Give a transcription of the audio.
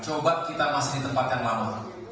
coba kita masih di tempat yang lama